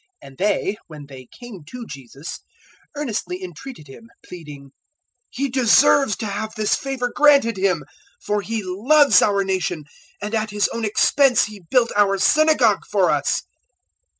007:004 And they, when they came to Jesus, earnestly entreated Him, pleading, "He deserves to have this favour granted him, 007:005 for he loves our nation, and at his own expense he built our synagogue for us."